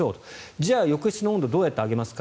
じゃあ浴室の温度をどう上げますか。